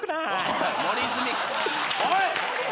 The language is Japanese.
おい！